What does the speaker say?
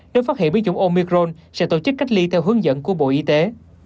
nếu phát hiện biến chủng omicron sẽ tổ chức cách ly theo hướng dẫn của bộ y tế